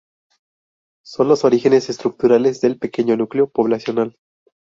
Son los orígenes estructurales del pequeño núcleo poblacional.